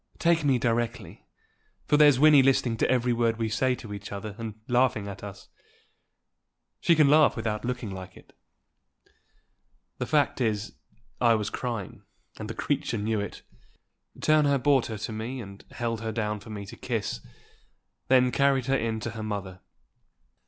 Take me directly; for there's Wynnie listening to every word we say to each other, and laughing at us. She can laugh without looking like it." The fact is, I was crying, and the creature knew it. Turner brought her to me, and held her down for me to kiss; then carried her in to her mother.